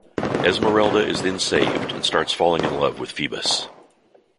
Esmeralda is then saved and starts falling in love with Phoebus.